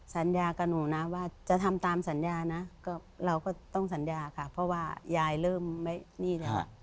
สัญญากับหนูนะว่าจะทำตามสัญญานะก็เราก็ต้องสัญญาค่ะเพราะว่ายายเริ่มไม่นี่แหละ